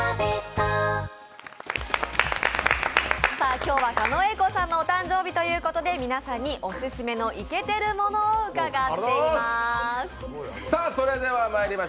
今日は狩野英孝さんのお誕生日ということで皆さんに、オススメのイケてるものを伺ってまいります。